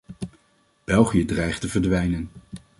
België dreigt te verdwijnen.